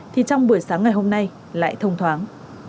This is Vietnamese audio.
thì trong buổi sáng ngày hôm nay lại thông thoáng